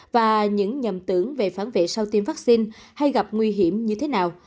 và những nhầm tưởng về phản vệ sau tiêm vaccine hay gặp nguy hiểm như thế nào